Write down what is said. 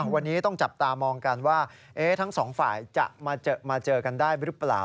วันนี้ต้องจับตามองกันว่าทั้งสองฝ่ายจะมาเจอกันได้หรือเปล่า